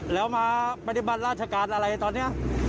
แล้วมาปฏิบัติราชการอะไรตอนนี้